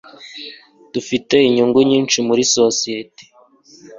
Dufite inyungu nyinshi muri sosiyete